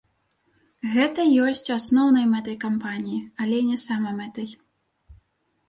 Гэта ёсць асноўнай мэтай кампаніі, але не самамэтай.